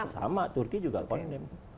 sama turki juga kondem